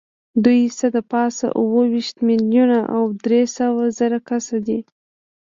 دوی څه د پاسه اووه ویشت میلیونه او درې سوه زره کسه دي.